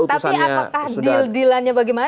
tapi apakah deal dealannya bagaimana